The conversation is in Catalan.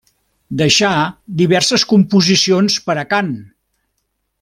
Deixà diverses composicions per a cant.